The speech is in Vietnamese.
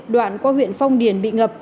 đoạn qua huyện phong điển bị ngập